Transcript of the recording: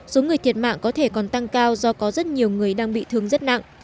số người thiệt mạng có thể còn tăng cao do có rất nhiều người đang bị thương rất nặng